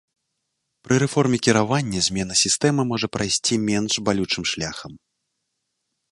Пры рэформе кіравання змена сістэмы можа прайсці менш балючым шляхам.